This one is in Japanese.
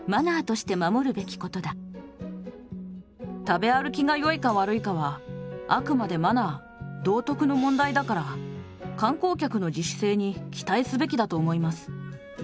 食べ歩きがよいか悪いかはあくまでマナー道徳の問題だから観光客の自主性に期待すべきだと思います。